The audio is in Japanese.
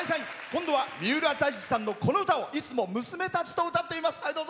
今度は三浦大知さんの、この歌をいつも娘たちと歌っています。